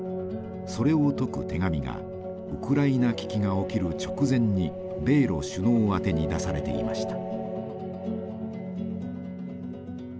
それを説く手紙がウクライナ危機が起きる直前に米ロ首脳宛てに出されていました。